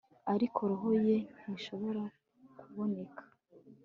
ariko roho ye ntishobora kuboneka